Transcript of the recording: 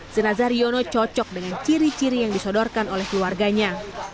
jenazah riono cocok dengan ciri ciri yang disodorkan oleh keluarganya